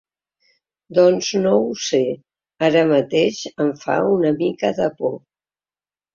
Doncs no ho sé, ara mateix em fa una mica de por.